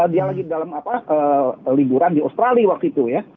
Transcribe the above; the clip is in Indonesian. dia lagi dalam liburan di australia waktu itu ya